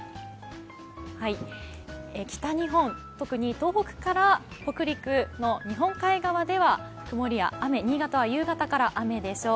北日本、特に東北から北陸の日本海側では曇りや雨、新潟は夕方から雨でしょう。